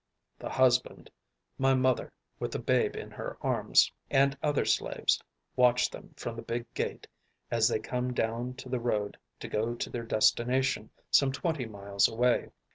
The husband, my mother with the babe in her arms, and other slaves watch them from the "big gate" as they come down to the road to go to their destination some twenty miles away.